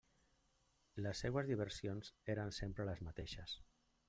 Les seues diversions eren sempre les mateixes.